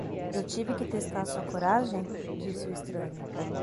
"Eu tive que testar sua coragem?", disse o estranho.